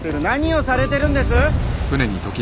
何をされてるんです。